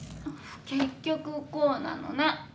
結局こうなのね。